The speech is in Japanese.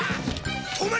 止まれ！